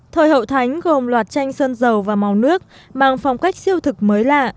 thời hậu thánh gồm loạt tranh sơn dầu và màu nước mang phong cách siêu thực mới lạ